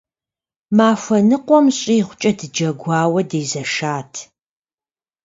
Махуэ ныкъуэм щӏигъукӏэ дыджэгуауэ дезэшат.